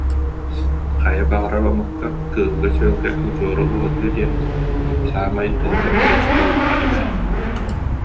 Хайа баҕарар омукка, кыылга-сүөлгэ удьуору ууһатыы диэн саамай тыын боппуруос буоллаҕа эбээт